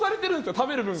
食べる分が。